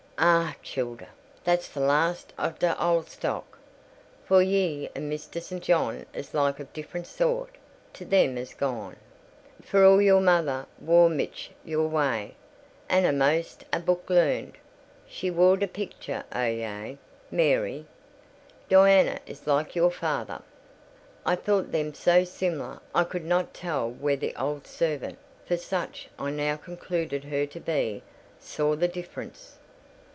Ah, childer! that's t' last o' t' old stock—for ye and Mr. St. John is like of different soart to them 'at's gone; for all your mother wor mich i' your way, and a'most as book learned. She wor the pictur' o' ye, Mary: Diana is more like your father." I thought them so similar I could not tell where the old servant (for such I now concluded her to be) saw the difference.